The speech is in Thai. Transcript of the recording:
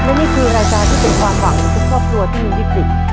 และนี่คือรายการที่เป็นความหวังของทุกครอบครัวที่มีวิกฤต